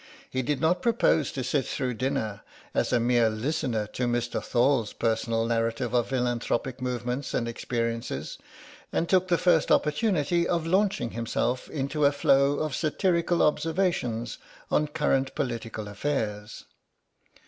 He did not propose to sit through dinner as a mere listener to Mr. Thorle's personal narrative of philanthropic movements and experiences, and took the first opportunity of launching himself into a flow of satirical observations on current political affairs.